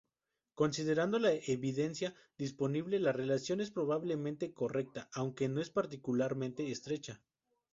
Considerando la evidencia disponible la relación es probablemente correcta, aunque no es particularmente estrecha.